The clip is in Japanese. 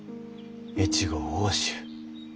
越後奥州